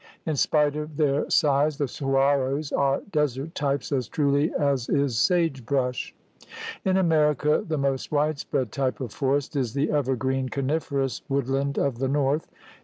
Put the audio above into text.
In spite of their THE GARMENT OF VEGETATION 91 size the suhuaros are desert types as truly as is sagebrush. In America the most widespread type of forest is the evergreen coniferous woodland of the north.